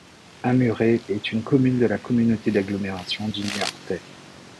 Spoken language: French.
Amuré est une commune de la communauté d'agglomération du Niortais.